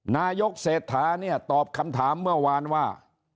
นายกเศรษฐาเนี่ยตอบคำถามเมื่อวานว่า